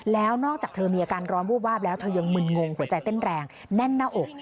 แล้วนอกจากเธอมีอาการร้อนวูบวาบแล้วเธอยังมึนงงหัวใจเต้นแรงแน่นหน้าอก